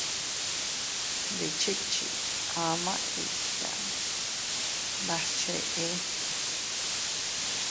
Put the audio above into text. Ndichichi ama iiyaa nas cheé.